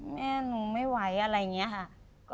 แม่หนูไม่ไหวอะไรอย่างนี้ค่ะ